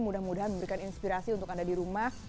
mudah mudahan memberikan inspirasi untuk anda di rumah